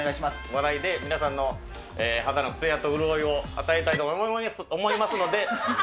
笑いで皆さんの肌のつやと潤いを与えたいとおももい、思いますので。